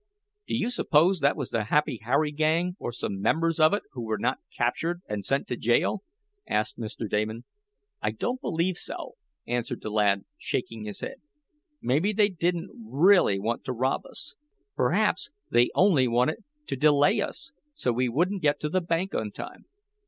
"Do you suppose that was the Happy Harry gang, or some members of it who were not captured and sent to jail?" asked Mr. Damon. "I don't believe so," answered the lad, shaking his head. "Maybe they didn't really want to rob us. Perhaps they only wanted to delay us so we wouldn't get to the bank on time."